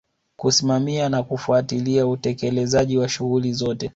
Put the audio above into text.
Kusimamia na kufuatilia utekelezaji wa shughuli zote